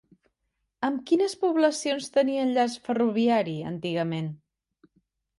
Amb quines poblacions tenia enllaç ferroviari antigament?